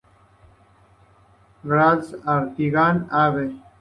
Gral Artigas, Av.